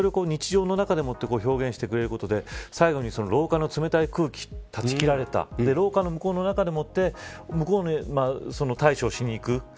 ただそれを日常の中でもって表現してくれることで、最後に廊下の冷たい空気断ち切られた廊下の向こうの中でもって向こうで対処しにいく。